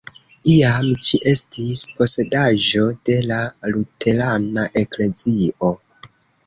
Iam ĝi estis posedaĵo de la luterana eklezio.